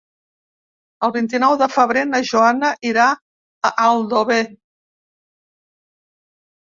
El vint-i-nou de febrer na Joana irà a Aldover.